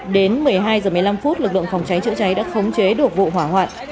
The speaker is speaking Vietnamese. đến một mươi hai h một mươi năm phút lực lượng phòng cháy chữa cháy đã khống chế được vụ hỏa hoạn